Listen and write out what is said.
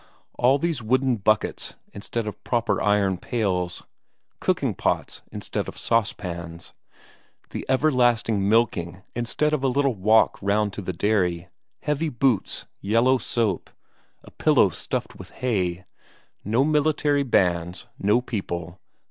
All these wooden buckets, instead of proper iron pails; cooking pots instead of saucepans; the everlasting milking instead of a little walk round to the dairy; heavy boots, yellow soap, a pillow stuffed with hay; no military bands, no people.